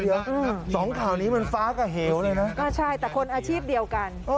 เดี๋ยวสองข่าวนี้มันฟ้ากับเหวเลยนะอ่าใช่แต่คนอาชีพเดียวกัน